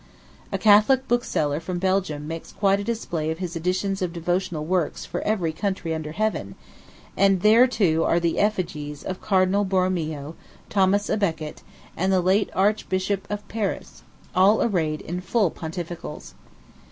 A Catholic bookseller from Belgium makes quite a display of his editions of devotional works for every country under heaven; and there, too, are the effigies of Cardinal Boromeo, Thomas à Becket, and the late Archbishop of Paris, all arrayed in full pontificals.